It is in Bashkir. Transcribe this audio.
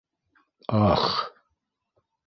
Ах!